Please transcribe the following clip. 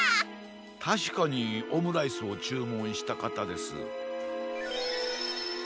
たしかにオムライスをちゅうもんしたかたです。